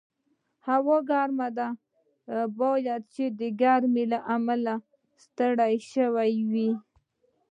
هوا هم ګرمه ده، باید چې د ګرمۍ له امله ستړی شوي یې.